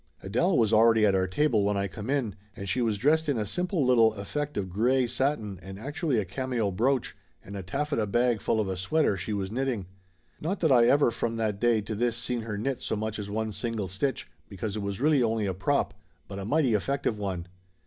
Adele was already at our table when I come in, and she was dressed in a simple little effect of gray satin and actually a cameo brooch and a taffeta bag full of a sweater she was knitting. Not that I ever from that day to this seen her knit so much as one single stitch, because it was really only a prop, but a mighty effective one.